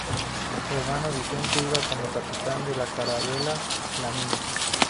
Su hermano Vicente iba como capitán de la carabela "La Niña".